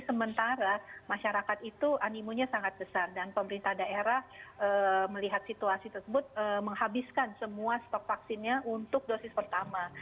sementara masyarakat itu animunya sangat besar dan pemerintah daerah melihat situasi tersebut menghabiskan semua stok vaksinnya untuk dosis pertama